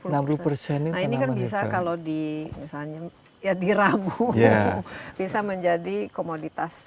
nah ini kan bisa kalau di rambu bisa menjadi komoditas